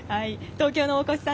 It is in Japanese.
東京の大越さん